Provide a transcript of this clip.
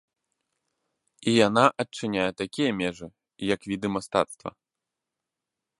І яна адчыняе такія межы, як віды мастацтва.